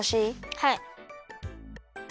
はい。